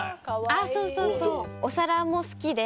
あっそうそうそうお皿も好きで。